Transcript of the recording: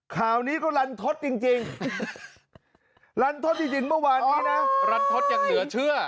ค่าวนี้ก็หลันทศจริงที่มาวานนี้นะหลันทศอย่างเหลือเชื่อ